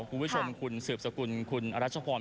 กูวิชวนคุณเสิบสกุลคุณอารัชยฟรอนด์